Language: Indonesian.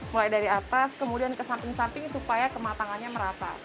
mulai dari atas kemudian ke samping samping supaya kematangannya merata